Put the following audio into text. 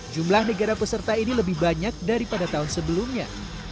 jumlah negara peserta ini lebih banyak daripada tahun sebelumnya